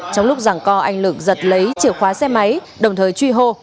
trong lúc giảng co anh lược giật lấy chìa khóa xe máy đồng thời truy hô